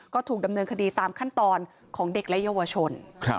ก็ถูกดำเนินคดีตามขั้นตอนของเด็กและเยาวชน